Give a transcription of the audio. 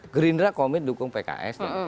gerindra komit dukung pks